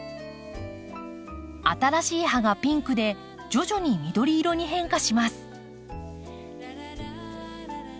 新しい葉がピンクで徐々に緑色に変化します。